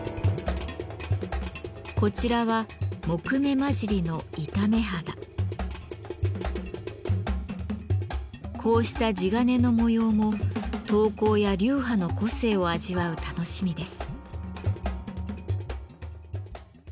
こちらはこうした地鉄の模様も刀工や流派の個性を味わう楽しみです。